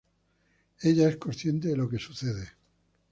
Ella es consciente de lo que sucede.